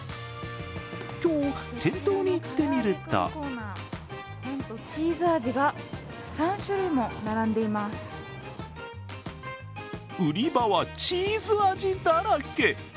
今日、店頭に行ってみると売り場はチーズ味だらけ。